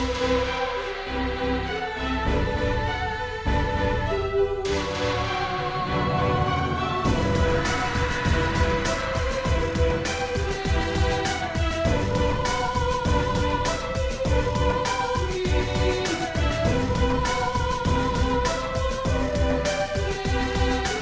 มีความรู้สึกว่ามีความรู้สึกว่ามีความรู้สึกว่ามีความรู้สึกว่า